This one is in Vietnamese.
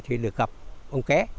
thì được gặp ông ké